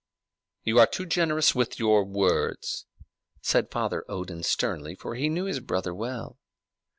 "You are too generous with your words," said Father Odin sternly, for he knew his brother well.